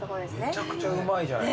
めちゃくちゃうまいじゃない。